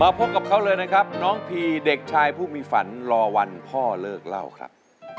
พบกับเขาเลยนะครับน้องพีเด็กชายผู้มีฝันรอวันพ่อเลิกเล่าครับ